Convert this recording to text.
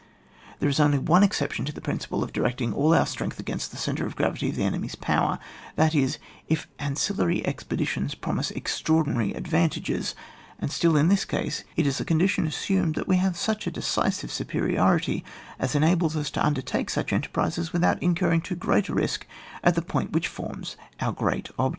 There is only one exception to the principle of directing all our strength against the centre of gravity of Sio enemy's power, that is, if ancillary ex peditions promise extraordinary adva^' tageSf and still, in this case, it is a con dition assumed, that we have such a decisive superiority as enables us to undertake such enterprises without in curring too great risk at the point which forms our great object.